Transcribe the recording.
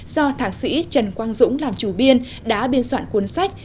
do thạc sĩ trần quang dũng làm chủ biên đã biên soạn cuốn sách